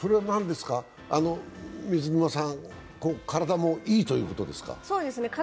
水沼さん、体もいいということですか？